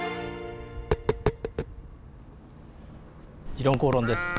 「時論公論」です。